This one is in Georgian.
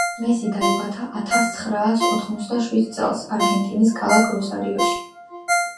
მესი დაიბადა ათას ცხრაას ოთხმოცდა შვიდ წელს არგენტინის ქალაქ როსარიოში